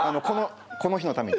この日のために。